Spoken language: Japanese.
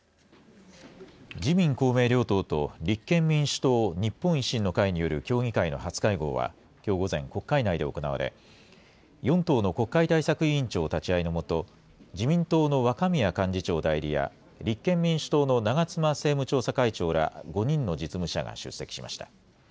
自民、公明両党と立憲民主党、日本維新の会による協議会の初会合はきょう午前、国会内で行われ、４党の国会対策委員長立ち会いの下、自民党の若宮幹事長代理や、立憲民主党の長妻政務調査会長ら、５人の実務者が出席しました。